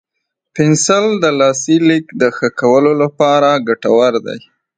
پنسل د لاسي لیک د ښه کولو لپاره ګټور دی.